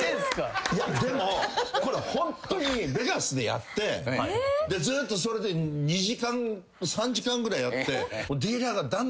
でもこれホントにベガスでやってずっとそれで３時間ぐらいやって。